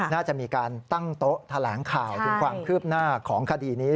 น่าจะมีการตั้งโต๊ะแถลงข่าวถึงความคืบหน้าของคดีนี้